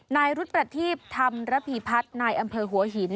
นายรุธประทีบธรรมระพีพัฒน์นายอำเภอหัวหิน